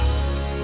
umi yang berharga